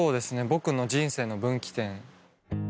僕の人生の分岐点。